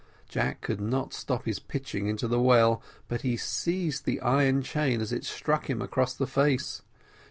Jack could not stop his pitching into the well, but he seized the iron chain as it struck him across the face.